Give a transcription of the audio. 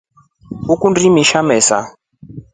Ukundi imisha mesa?